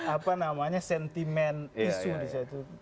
apa namanya sentimen isu